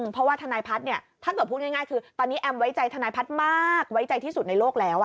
เพราะว่าทนายพัฒน์เนี่ยถ้าเกิดพูดง่ายคือตอนนี้แอมไว้ใจทนายพัฒน์มากไว้ใจที่สุดในโลกแล้ว